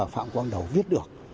phạm quang đậu viết được